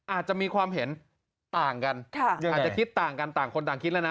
อาจจะมีความเห็นต่างกันอาจจะคิดต่างกันต่างคนต่างคิดแล้วนะ